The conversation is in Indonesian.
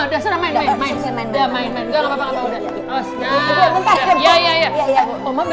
udah main main gak apa apa udah